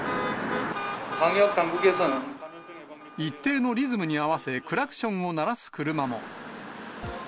一定のリズムに合わせ、クラクションを鳴らす車も。